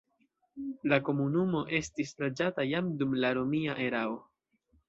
La komunumo estis loĝata jam dum la romia erao.